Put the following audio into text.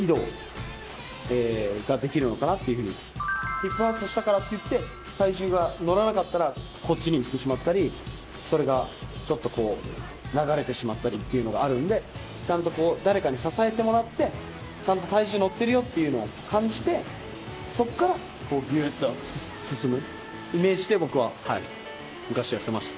ヒップファーストしたからっていって体重が乗らなかったらこっちに行ってしまったりそれがちょっとこう流れてしまったりっていうのがあるんでちゃんと誰かに支えてもらってちゃんと体重乗ってるよっていうのを感じてそっからこうぐーっと進むイメージで僕は昔やってました。